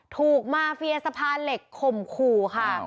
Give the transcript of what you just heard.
ถูกมาเฟียสะพานเหล็กข่มขู่ค่ะ